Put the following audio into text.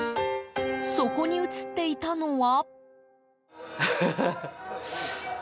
そこに映っていたのは。